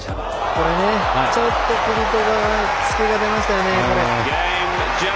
これはちょっとクビトバに隙が出ましたよね。